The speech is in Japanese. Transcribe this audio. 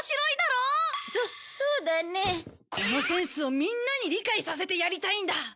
このセンスをみんなに理解させてやりたいんだ。